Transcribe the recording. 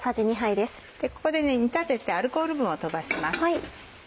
ここで煮立ててアルコール分を飛ばします。